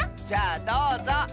じゃあどうぞ。